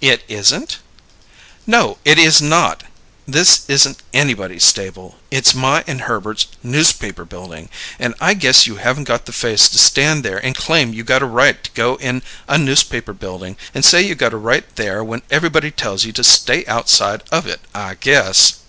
"It isn't?" "No, it is not! This isn't anybody's stable. It's my and Herbert's Newspaper Building, and I guess you haven't got the face to stand there and claim you got a right to go in a Newspaper Building and say you got a right there when everybody tells you to stay outside of it, I guess!"